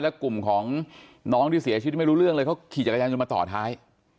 และกลุ่มของน้องที่เสียชีวิตไม่รู้เรื่องเลยเขาขี่จักรยานยนต์มาต่อท้าย